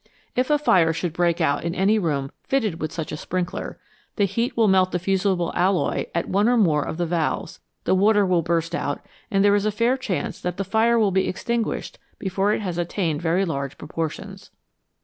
If a fire should break out in any room fitted with such a sprinkler, the heat will melt the fusible alloy at one or more of the valves, the water will burst out, and there is a fair chance that the fire will be extinguished before it has attained very large proportions.